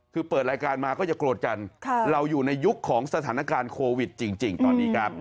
คือเปิดรายการมาก็อย่าโกรธกันเราอยู่ในยุคของสถานการณ์โควิดจริงตอนนี้ครับ